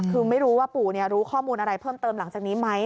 คือไม่รู้ว่าปู่รู้ข้อมูลอะไรเพิ่มเติมหลังจากนี้ไหม